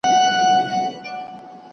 د ښار د شوره تنګ راغلي وومه